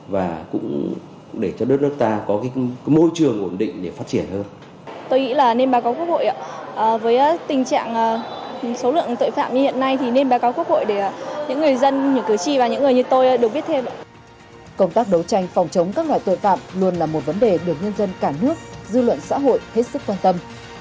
và cũng để cho đất nước ta có môi trường của tội phạm